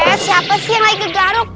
eh siapa sih yang lagi gegaruk